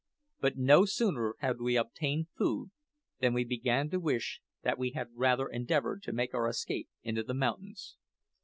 But no sooner had we obtained food than we began to wish that we had rather endeavoured to make our escape into the mountains.